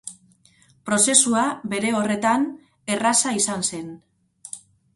Prozesua, bere horretan, erraza izan zen.